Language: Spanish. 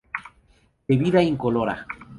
Bebida incolora.